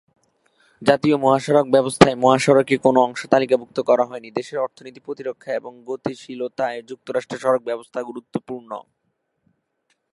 জাতীয় মহাসড়ক ব্যবস্থায় মহাসড়কে কোন অংশ তালিকাভুক্ত করা হয়নি, দেশের অর্থনীতি, প্রতিরক্ষা, এবং গতিশীলতায় যুক্তরাষ্ট্রের সড়ক ব্যবস্থা গুরুত্বপূর্ণ।